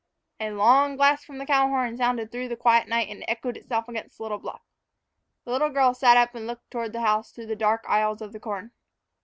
A long blast from the cow horn sounded through the quiet night and echoed itself against the bluff. The little girl sat up and looked toward the house through the dark aisles of the corn.